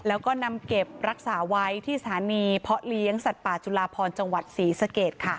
แล้วก็นำเก็บรักษาไว้ที่สถานีเพาะเลี้ยงสัตว์ป่าจุลาพรจังหวัดศรีสเกต